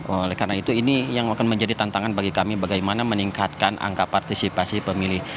oleh karena itu ini yang akan menjadi tantangan bagi kami bagaimana meningkatkan angka partisipasi pemilih